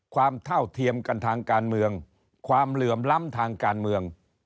เท่าเทียมกันทางการเมืองความเหลื่อมล้ำทางการเมือง